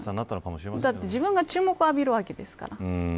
自分が注目を浴びるわけですから。